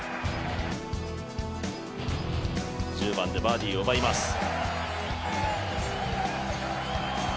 １０番でバーディーを奪います。